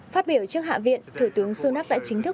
phát biểu trước hạ viện thủ tướng sunak đã chính thức